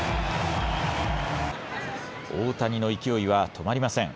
大谷の勢いは止まりません。